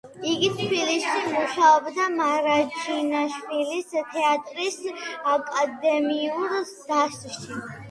იგი თბილისში, მუშაობდა მარჯანიშვილის თეატრის აკადემიურ დასში.